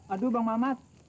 aduh bang mamat